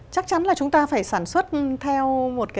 chắc chắn là chúng ta phải sản xuất theo một cái